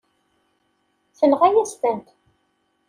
Tenɣa-yas-tent.